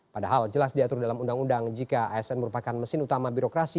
padahal jelas diatur dalam undang undang jika asn merupakan mesin utama birokrasi